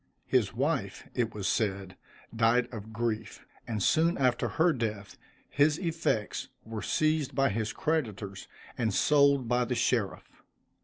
His wife, it was said, died of grief, and soon after her death, his effects were seized by his creditors, and sold by the sheriff.